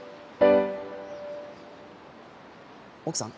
奥さん？